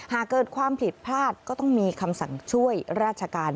หากเกิดความผิดพลาดก็ต้องมีคำสั่งช่วยราชการ